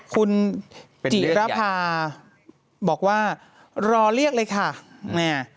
คุณจิระพาบอกว่ารอเลี่ยงเลยค่ะ